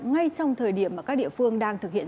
ngay trong thời điểm mà các địa phương đang thực hiện